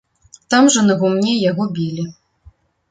Там жа на гумне яго білі.